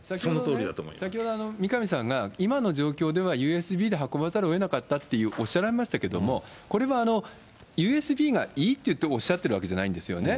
先ほど、三上さんが今の状況ではＵＳＢで運ばざるをえなかったっておっしゃられましたけど、これはＵＳＢがいいっておっしゃってるわけじゃないんですよね。